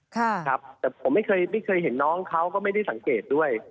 ครับแต่ผมไม่เคยไม่เคยเห็นน้องเขาก็ไม่ได้สังเกตด้วย